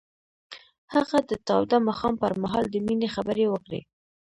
هغه د تاوده ماښام پر مهال د مینې خبرې وکړې.